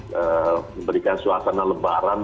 memberikan suasana lebaran